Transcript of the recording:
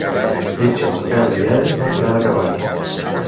Bitxo, pebre i all, menjar de cavall.